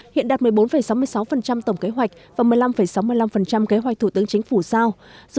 hiện đạt một mươi bốn sáu mươi sáu tổng kỳ